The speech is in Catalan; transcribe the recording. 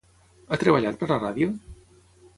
Ha treballat per la ràdio?